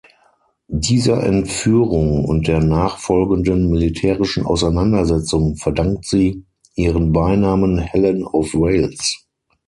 Dieser Entführung und der nachfolgenden militärischen Auseinandersetzung verdankt sie ihren Beinamen „Helen of Wales“.